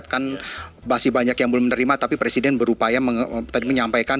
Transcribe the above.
kan masih banyak yang belum menerima tapi presiden berupaya menyampaikan